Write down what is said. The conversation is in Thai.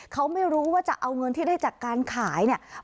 เขาไม่รู้ว่าจะเอาเงินที่ได้จากการขายเนี่ย